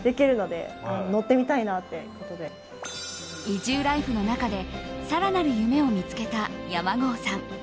移住ライフの中で更なる夢を見つけた山郷さん。